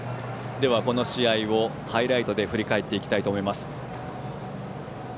この試合をハイライトで振り返っていきたいと思います。